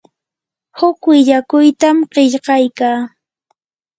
huk willakuytam qillqaykaa.